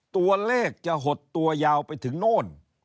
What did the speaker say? ตัวเลขจะหดตัวยาวไปถึงโน่น